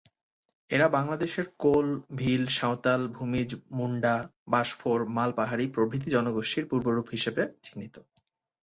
এরা বাংলাদেশের কোল, ভীল, সাঁওতাল, ভূমিজ, মুন্ডা, বাঁশফোড়, মালপাহাড়ি প্রভৃতি জনগোষ্ঠীর পূর্বপুরুষ রূপে চিহ্নিত।